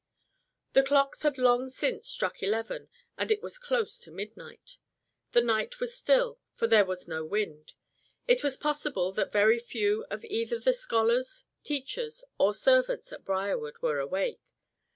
The clocks had long since struck eleven and it was close to midnight. The night was still, for there was no wind. It was possible that very few of either the scholars, teachers, or servants at Briarwood were awake.